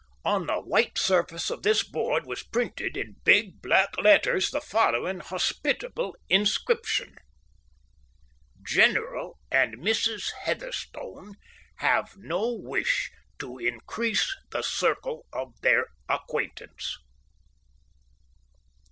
On the white surface of this board was printed in big, black letters the following hospitable inscription: GENERAL AND MRS. HEATHERSTONE HAVE NO WISH TO INCREASE THE CIRCLE OF THEIR ACQUAINTANCE.